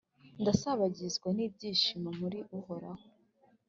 ndasabagizwa n’ibyishimo muri uhoraho,